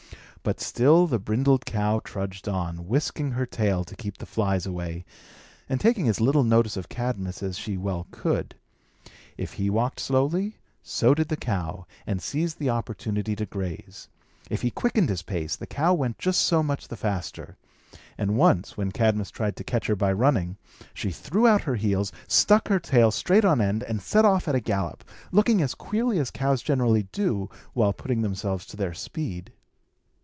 But still the brindled cow trudged on, whisking her tail to keep the flies away, and taking as little notice of Cadmus as she well could. If he walked slowly, so did the cow, and seized the opportunity to graze. If he quickened his pace, the cow went just so much the faster; and once, when Cadmus tried to catch her by running, she threw out her heels, stuck her tail straight on end, and set off at a gallop, looking as queerly as cows generally do, while putting themselves to their speed.